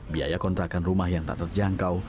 biaya kontrakan rumah yang tak terjangkau